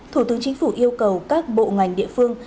thủ tướng chính phủ yêu cầu các bộ ngành địa phương